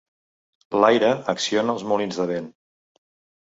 L'aire acciona els molins de vent.